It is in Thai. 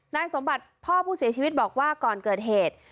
นายสมบัติพ่อผู้เสียชีวิตบอกว่าก่อนเกิดเหตุ